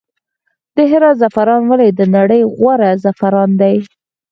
د هرات زعفران ولې د نړۍ غوره زعفران دي؟